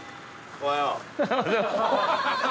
おはよう。